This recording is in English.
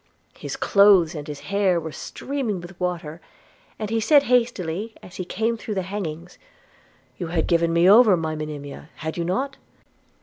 His clothes and his hair were streaming with water, and he said hastily, as he came through the hangings, 'You had given me over, my Monimia, had you not?'